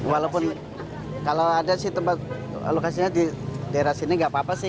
walaupun kalau ada sih tempat lokasinya di daerah sini nggak apa apa sih